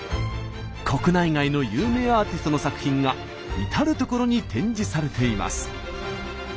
国内外の有名アーティストの作品が至る所に展示されています。